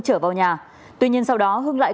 trở vào nhà tuy nhiên sau đó hưng lại